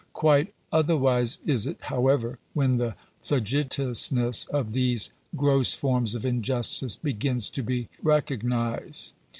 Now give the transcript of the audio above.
Quite otherwise is it, however, when the flagitiousness of these gross forms of injustice begins to be recognised.